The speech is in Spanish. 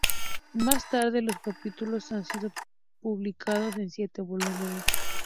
Más tarde, los capítulos han sido publicados en siete volúmenes.